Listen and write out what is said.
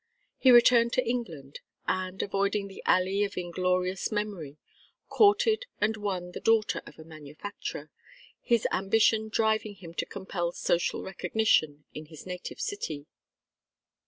He returned to England, and, avoiding the alley of inglorious memory, courted and won the daughter of a manufacturer, his ambition driving him to compel social recognition in his native city.